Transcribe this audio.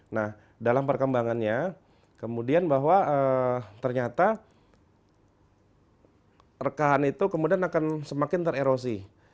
nah dalam perkembangannya kemudian bahwa ternyata rekahan itu kemudian akan semakin tererosi